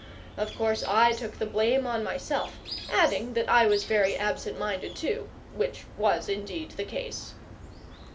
Of course, I took the blame on myself; adding, that I was very absent minded too, which was indeed the case.